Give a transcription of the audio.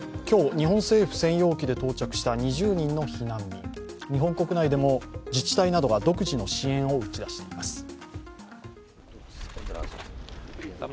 今日、日本政府専用機で到着した２０人の避難民、日本国内でも自治体などが独自の支援を打ち出しています。